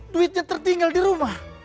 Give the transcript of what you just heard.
duitnya tertinggal di rumah